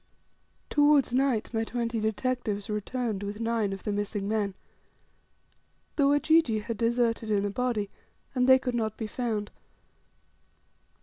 Towards night my twenty detectives returned with nine of the missing men. The Wajiji had deserted in a body, and they could not be found.